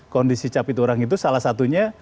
kondisi capit urang itu salah satunya